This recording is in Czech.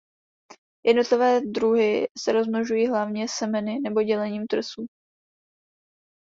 Jednotlivé druhy se rozmnožují hlavně semeny nebo dělením trsů.